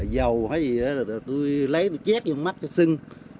dầu hay gì đó tôi lấy tôi chét vô mắt tôi xưng